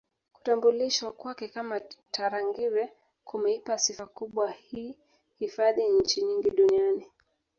Kutambulishwa kwake kama Tarangire kumeipa sifa kubwa hii hifadhi nchi nyingi Duniani